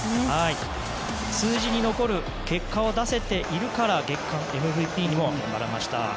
数字に残る結果を出せているから月間ＭＶＰにも選ばれました。